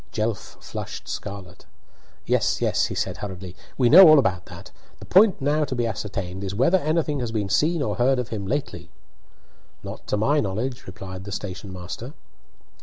Jelf flushed scarlet. "Yes, yes," he said, hurriedly; "we know all about that. The point now to be ascertained is whether anything has been seen or heard of him lately." "Not to my knowledge," replied the stationmaster.